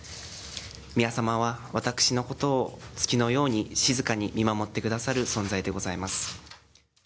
宮さまは私のことを月のように静かに見守ってくださる存在でございます。